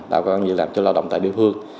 tạo được việc làm cho lao động tại địa phương